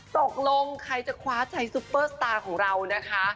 ตกลงใครจะคว้าใจซุปเปอร์สตาร์ของเรานะคะ